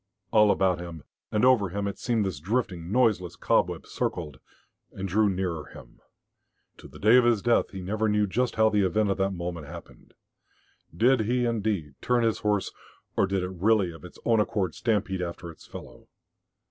All about him, and over him, it seemed this drifting, noiseless cobweb circled and drew nearer him.... To the day of his death he never knew just how the event of that moment happened. Did he, indeed, turn his horse, or did it really of its own accord stampede after its fellow?